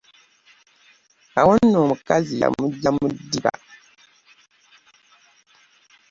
Awo no omukazi y’amuggya mu ddiba!